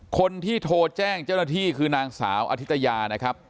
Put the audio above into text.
คนที่โทรแจ้งเจ้าหน้าที่คือนางสาวอธิตยานะครับ